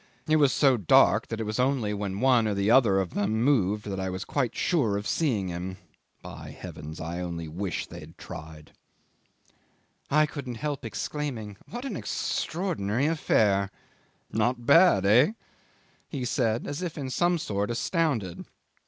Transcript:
It was so dark that it was only when one or the other of them moved that I was quite sure of seeing him. By heavens! I only wish they had tried." 'I couldn't help exclaiming, "What an extraordinary affair!" '"Not bad eh?" he said, as if in some sort astounded.